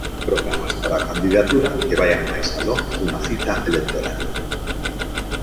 Programas para a candidatura que vaian máis aló dunha cita electoral.